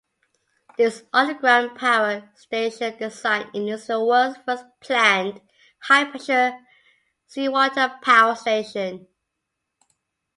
This underground power station design is the world's first planned high-pressure seawater power station.